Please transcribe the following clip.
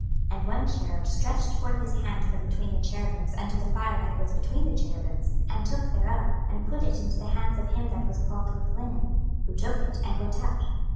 26:010:007 And one cherub stretched forth his hand from between the cherubims unto the fire that was between the cherubims, and took thereof, and put it into the hands of him that was clothed with linen: who took it, and went out.